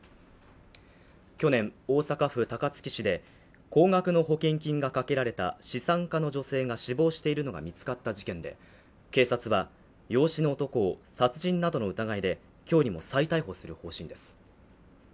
去年、大阪府高槻市で高額の保険金が掛けられた資産家の女性が死亡しているのが見つかった事件で警察は容姿の男を殺人などの疑いで今日にも再逮捕する方針です。